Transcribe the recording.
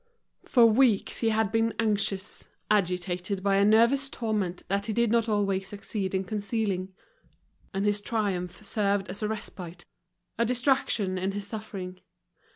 For weeks he had been anxious, agitated by a nervous torment that he did not always succeed in concealing; and his triumph served as a respite, a distraction in his suffering.